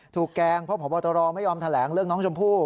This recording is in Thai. แกล้งเพราะพบตรไม่ยอมแถลงเรื่องน้องชมพู่